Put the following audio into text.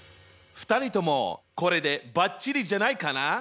２人ともこれでばっちりじゃないかな？